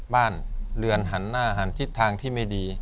บ้านเรือนหันหน้าหันทิศทางที่ไม่ดี